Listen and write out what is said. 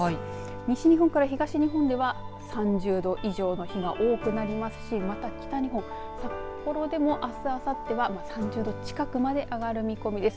西日本から東日本では３０度以上の日が多くなりますしまた北日本、札幌でもあす、あさっては３０度近くまで上がる見込みです。